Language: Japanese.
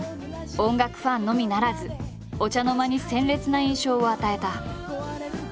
音楽ファンのみならずお茶の間に鮮烈な印象を与えた。